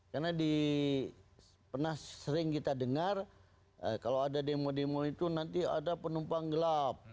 karena pernah sering kita dengar kalau ada demo demo itu nanti ada penumpang gelap